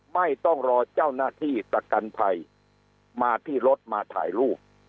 ไม่ต้องรอเจ้าหน้าที่ประกันภัยมาที่รถมาถ่ายรูป